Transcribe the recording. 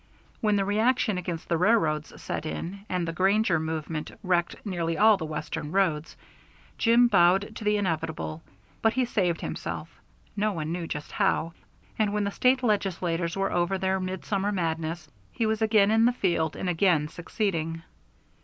When the reaction against the railroads set in, and the Granger movement wrecked nearly all the Western roads, Jim bowed to the inevitable, but he saved himself no one knew just how and when the State legislators were over their midsummer madness he was again in the field, and again succeeding.